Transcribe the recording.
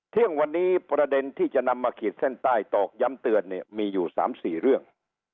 เที่ยงวันนี้ประเด็นที่จะนำมาขีดเส้นใต้ตอกย้ำเตือนเนี่ยมีอยู่๓๔เรื่อง